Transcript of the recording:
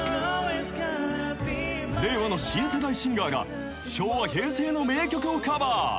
令和の新世代シンガーが昭和・平成の名曲をカバー。